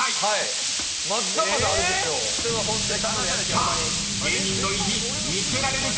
［さあ芸人の意地見せられるか］